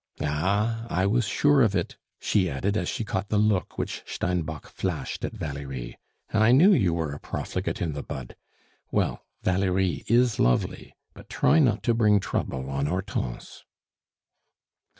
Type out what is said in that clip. Ah! I was sure of it," she added, as she caught the look which Steinbock flashed at Valerie, "I knew you were a profligate in the bud! Well, Valerie is lovely but try not to bring trouble on Hortense."